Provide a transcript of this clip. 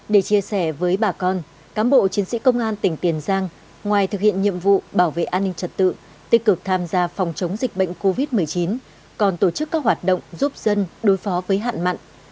để chia sẻ với bà con cám bộ chiến sĩ công an tỉnh tiền giang ngoài thực hiện nhiệm vụ bảo vệ an ninh trật tự tích cực tham gia phòng chống dịch bệnh covid một mươi chín còn tổ chức các hoạt động giúp dân đối phó với hạn mặn